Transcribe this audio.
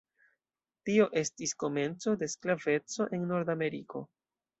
Tio estis komenco de sklaveco en Nordameriko.